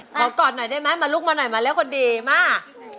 ขอกอดหน่อยได้ไหมมาลุกมาหน่อยมาแล้วคนดีมาก